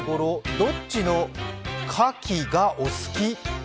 どっちのカキがお好き？」。